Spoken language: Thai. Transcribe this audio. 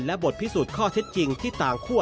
และบทพิสูจน์ข้อเท็จจริงที่ต่างคั่ว